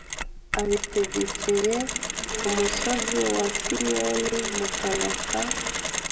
abitegekeye ku musozi wa Sinayi mu kanwa ka